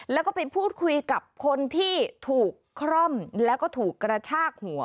แล้วก็ไปพูดคุยกับคนที่ถูกคร่อมแล้วก็ถูกกระชากหัว